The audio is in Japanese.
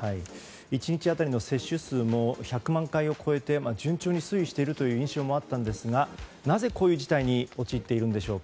１日当たりの接種数も１００万回を超えて順調に推移している印象もあったんですがなぜこういう事態に陥っているんでしょうか。